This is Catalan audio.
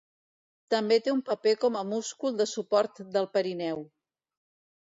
També té un paper com a múscul de suport del perineu.